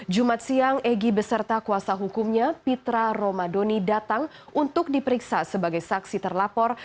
jumat siang egy beserta kuasa hukumnya pitra romadoni datang untuk diperiksa sebagai saksi terlapor